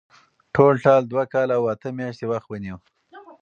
ټولټال دوه کاله او اته میاشتې وخت ونیو.